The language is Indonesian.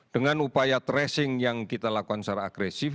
dengan upaya tracing yang kita lakukan secara agresif